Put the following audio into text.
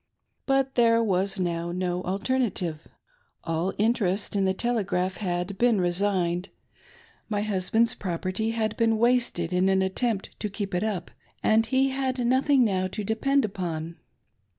But there was now no alternative. All interest in the Telegraph had been resigned ; my hus band's property had been wasted in an attempt to keep it up, and he had nothing now to depend upon.